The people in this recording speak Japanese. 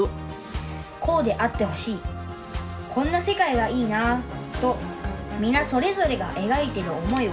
「こうであってほしいこんな世界がいいなあとみなそれぞれがえがいてる想いを」。